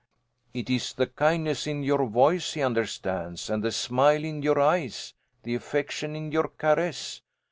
"It is the kindness in your voice he understands, and the smile in your eyes, the affection in your caress.